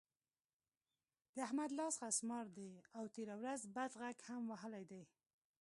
د احمد لاس خسمار دی؛ او تېره ورځ بد غږ هم وهلی دی.